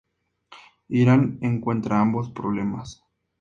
Irán encuentra ambos problemas.